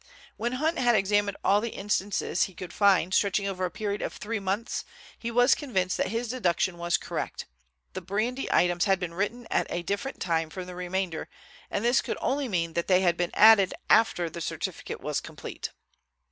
When Hunt had examined all the instances he could find stretching over a period of three months, he was convinced that his deduction was correct. The brandy items had been written at a different time from the remainder, and this could only mean that they had been added after the certificate was complete.